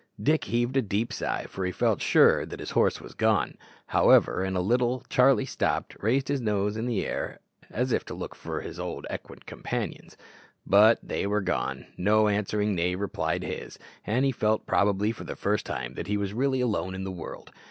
Dick heaved a deep sigh, for he felt sure that his horse was gone. However, in a little Charlie stopped, and raised his nose high in the air, as if to look for his old equine companions. But they were gone; no answering neigh replied to his; and he felt, probably for the first time, that he was really alone in the world.